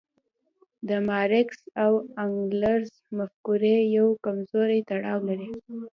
د مارکس او انګلز مفکورې یو کمزوری تړاو لري.